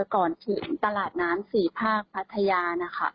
ก่อนถึงตลาดน้ำสี่ภาคพัทยา